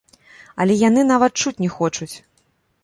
Але яны нават чуць не хочуць!